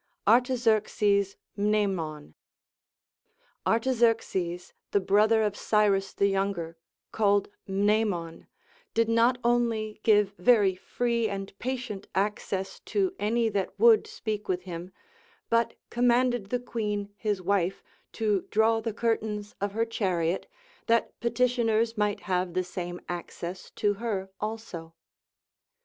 Artaxerxes Mnemon. Artaxerxes, the brother of Cyrus the Younger, called Mnemon, did not only give very free and patient access to any that Avould speak with him, but commanded the queen his wife to draw the curtains of her chariot, that petitioners might have the same access to her also.